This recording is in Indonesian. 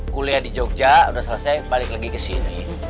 kuliah di jogja udah selesai balik lagi ke sini